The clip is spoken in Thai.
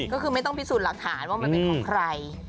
ก็คือไม่ต้องพิสูจน์หลักฐานว่ามันเป็นของใคร